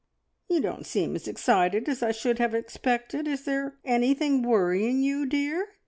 "Ye don't seem as excited as I should have expected. Is anything worrying you, dear?"